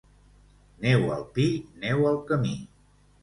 Neu al pi, neu al camí.